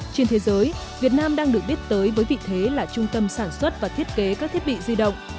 trên thế giới việt nam đang được biết tới với vị thế là trung tâm sản xuất và thiết kế các thiết bị di động